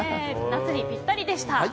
夏にぴったりでした。